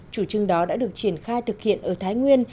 chủ trương đó đã được triển khai thực hiện ở thái nguyên